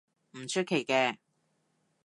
唔出奇嘅